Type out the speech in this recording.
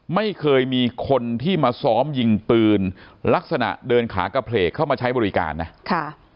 ไม่เคยมีคนที่มาซ้อมยิงปืนลักษณะเดินขากระเพลกเข้ามาใช้บริการนะค่ะ